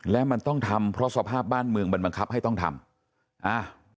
และมันต้องทำเพราะสภาพบ้านเมืองมันบังคับให้ต้องทำอ่า